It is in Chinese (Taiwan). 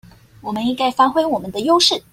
我們應該發揮我們的優勢